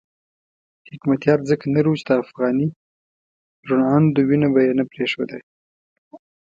حکمتیار ځکه نر وو چې د افغاني روڼاندو وینه به یې نه پرېښوده.